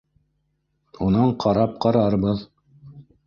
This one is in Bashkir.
Унан ҡарап ҡарарбыҙ